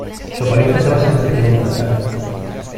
Su apariencia se basa en la que tienen en la saga.